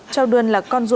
châu đươn là con ruột